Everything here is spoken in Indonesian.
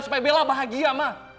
supaya bella bahagia ma